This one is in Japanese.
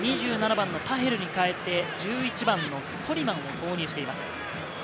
２７番のタヘルに代えて、１１番のソリマンを投入しています。